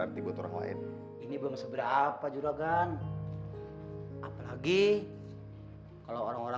tapi juragan ini sudah keterlaluan